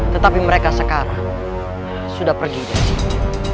tetapi mereka sekarang sudah pergi ke sini